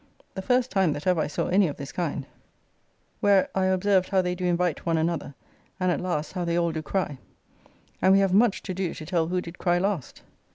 ] (the first time that ever I saw any of this kind), where I observed how they do invite one another, and at last how they all do cry, [To cry was to bid.] and we have much to do to tell who did cry last.